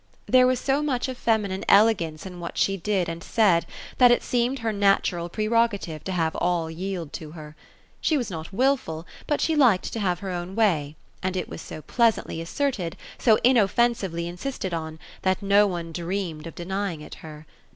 There was so much of feminine elegance in what she did and said, that it seemed her natural prerogative to have all yield to her. She was not wilful ; but she liked to have her own way ; and it was so pleasantly asserted, so inoffensively insisted on, that no one dreamed of denying it her.